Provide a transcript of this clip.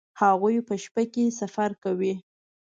هغوی په شپه کې سفر کوي